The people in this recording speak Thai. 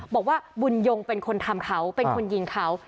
บอกว่าบุญยงเป็นคนทำเขาเป็นคนยิงเขา